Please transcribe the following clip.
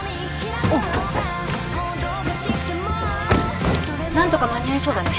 おっ何とか間に合いそうだね